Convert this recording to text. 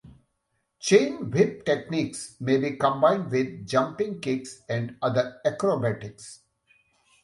Chain whip techniques may be combined with jumping kicks and other acrobatics.